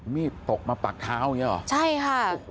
มีดตกมาปักเท้าอย่างนี้หรอใช่ค่ะ